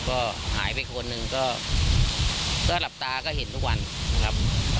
ก็หายไปคนหนึ่งก็หลับตาก็เห็นทุกวันนะครับ